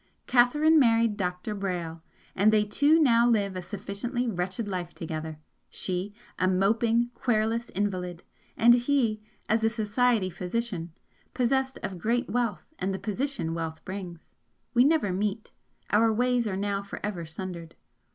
Catherine married Dr. Brayle, and they two now live a sufficiently wretched life together, she, a moping, querulous invalid, and he as a 'society' physician, possessed of great wealth and the position wealth brings. We never meet, our ways are now for ever sundered.